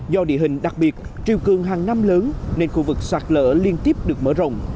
do địa hình đặc biệt triều cường hàng năm lớn nên khu vực sạt lở liên tiếp được mở rộng